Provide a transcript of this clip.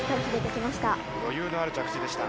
余裕のある着地でした。